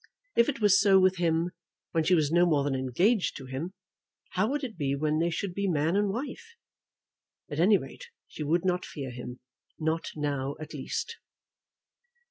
If it was so with him when she was no more than engaged to him, how would it be when they should be man and wife? At any rate, she would not fear him, not now at least.